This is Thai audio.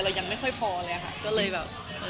ยังไม่ค่อยพอเลยค่ะก็เลยแบบ